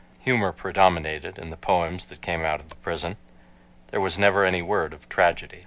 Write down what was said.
Humor predominated in the poems that came out of prison. There was never any word of tragedy.